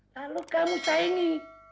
lalu kamu saingi